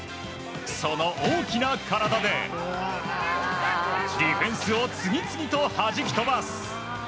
その大きな体でディフェンスを次々と弾き飛ばす！